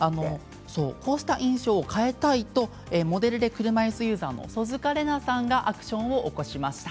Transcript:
そういう印象を変えたいとモデルで車いすユーザーの曽塚レナさんがアクションを起こしました。